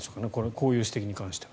こういう指摘に関しては。